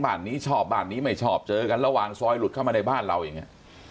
บ้านนี้ชอบบ้านนี้ไม่ชอบเจอกันระหว่างซอยหลุดเข้ามาในบ้านเราอย่างนี้